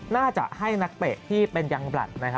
น่าจะให้นักเตะที่เป็นยังบลัด